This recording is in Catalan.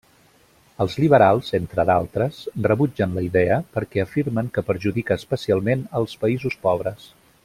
Els liberals, entre d'altres, rebutgen la idea perquè afirmen que perjudica especialment els països pobres.